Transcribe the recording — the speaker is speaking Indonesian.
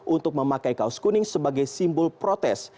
untuk memakai kaos kuning sebagai simbol protes